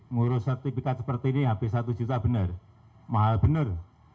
ngurus sertifikat seperti ini habis satu juta benar mahal benar